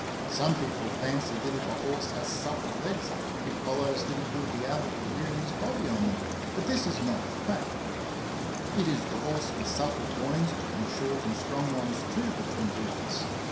Some people fancy that if a horse has supple legs, it follows that he will be able to rear his body on them ; but this is not the fact. It is the horse with supple loins, and short and strong ones too, that can do this.